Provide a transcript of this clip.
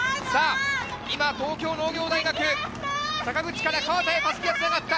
今、東京農業大学、坂口から川田へ襷が繋がった。